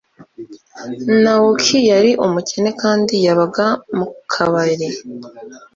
Naoki yari umukene kandi yabaga mu kabari.